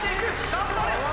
頑張れ！